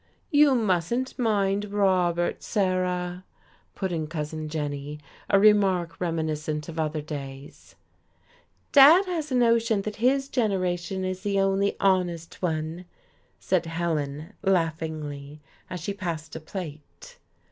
"You mustn't mind Robert, Sarah," put in Cousin Jenny, a remark reminiscent of other days. "Dad has a notion that his generation is the only honest one," said Helen, laughingly, as she passed a plate.